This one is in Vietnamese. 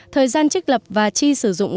thời gian trích lập và chi sử dụng